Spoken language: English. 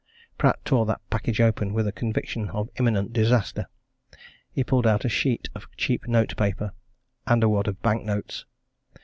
Pratt tore that package open with a conviction of imminent disaster. He pulled out a sheet of cheap note paper and a wad of bank notes.